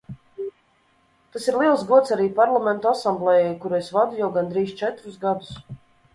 Tas ir liels gods arī Parlamentu asamblejai, kuru es vadu jau gandrīz četrus gadus.